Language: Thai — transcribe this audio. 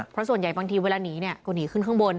เพราะส่วนใหญ่บางทีเวลาหนีเนี่ยก็หนีขึ้นข้างบน